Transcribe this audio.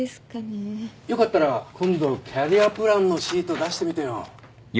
よかったら今度キャリアプランのシート出してみてよ。